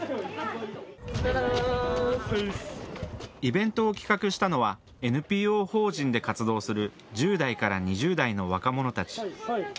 イベントを企画したのはＮＰＯ法人で活動する１０代から２０代の若者たち。